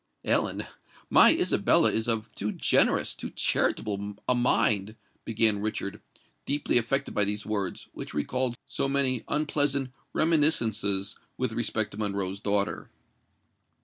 "Ellen, my Isabella is of too generous—too charitable a mind——" began Richard, deeply affected by these words, which recalled so many unpleasant reminiscences with respect to Monroe's daughter.